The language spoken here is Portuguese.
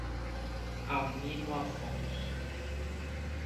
Almino Afonso